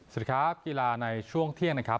สวัสดีครับกีฬาในช่วงเที่ยงนะครับ